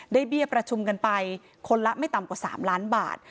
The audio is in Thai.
เบี้ยประชุมกันไปคนละไม่ต่ำกว่า๓ล้านบาท